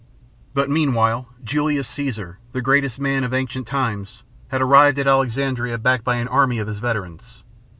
But meanwhile Julius Caesar, the greatest man of ancient times, had arrived at Alexandria backed by an army of his veterans.